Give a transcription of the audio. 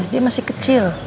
dia masih kecil